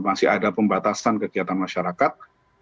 masih ada pembatasan kegiatan masyarakat